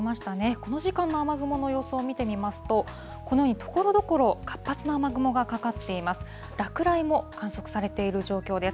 この時間の雨雲の様子を見てみますと、このようにところどころ活発な雨雲がかかっています。